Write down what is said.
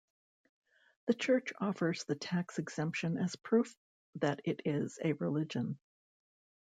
The Church offers the tax exemption as proof that it is a religion.